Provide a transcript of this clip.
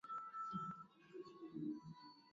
nurdin muda hauko upande wetu nakushukuru sana asante